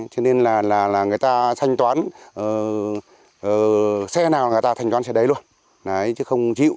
cho nên là người ta thanh toán xe nào người ta thanh toán xe đấy luôn chứ không chịu